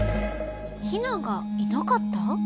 ヒナがいなかった？